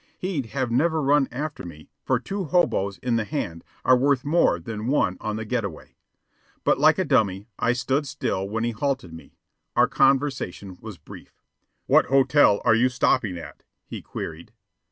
He'd have never run after me, for two hoboes in the hand are worth more than one on the get away. But like a dummy I stood still when he halted me. Our conversation was brief. "What hotel are you stopping at?" he queried.